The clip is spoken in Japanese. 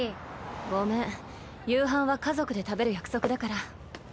ごめん夕飯は家族で食べる約束だから。